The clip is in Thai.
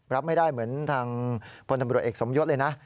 รับไม่ได้เหมือนทางพลตำรวจเอกสมยศเลยนะ